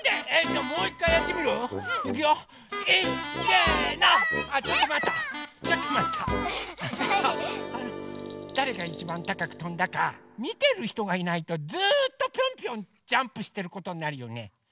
あのさだれがいちばんたかくとんだかみてるひとがいないとずっとぴょんぴょんジャンプしてることになるよね。